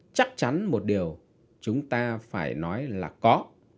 chắc chắn một điều chúng ta phải nói là có